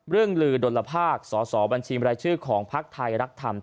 เรื่องหลือโดดละภาคสอสอบัญชีเมรายชื่อของพลักษณ์ไทยรักฐำ